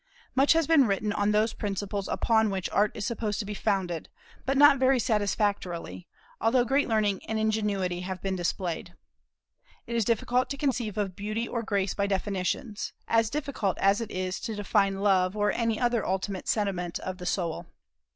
Much has been written on those principles upon which Art is supposed to be founded, but not very satisfactorily, although great learning and ingenuity have been displayed. It is difficult to conceive of beauty or grace by definitions, as difficult as it is to define love or any other ultimate sentiment of the soul.